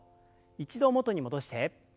一度元に戻して。